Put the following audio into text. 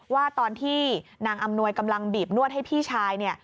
ว่าตอนที่นางอำนวยกำลังบีบนวดให้พี่ชาย